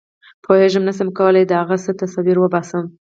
پوهېږم نه شم کولای د هغه څه تصویر وباسم.